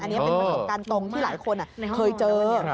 อันนี้เป็นประสบการณ์ตรงที่หลายคนเคยเจอ